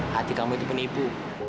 hati kamu itu penipu